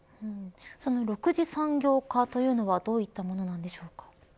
その６次産業化というのはどういったものなんでしょうか。